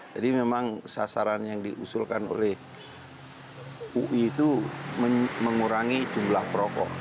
jadi memang sasaran yang diusulkan oleh ui itu mengurangi jumlah perokok